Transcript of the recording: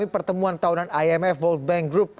pertemuan tahunan imf world bank group